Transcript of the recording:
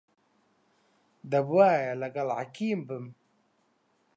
دەبوایە لەگەڵ حەکیم بم.